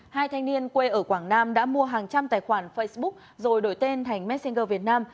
hai thanh niên quê ở quảng nam đã mua hàng trăm tài khoản facebook rồi đổi tên thành messenger việt nam